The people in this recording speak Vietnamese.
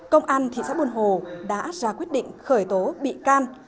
công an thị xã buồn hồ đã ra quyết định khởi tố bị can